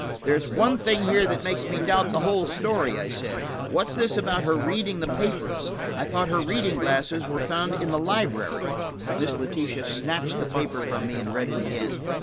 "There's one thing here that makes me doubt the whole story," I said. "What's this about her reading the papers? I thought her reading glasses were found in the library." Miss Letitia snatched the paper from me and read it again.